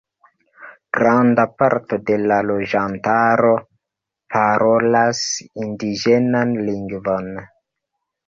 Granda parto de la loĝantaro parolas indiĝenan lingvon.